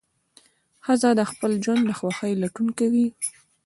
ښځه د خپل ژوند د خوښۍ لټون کوي.